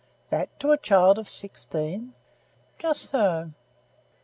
"That to a child of sixteen!" "Just so."